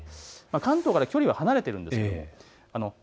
関東から距離は離れています。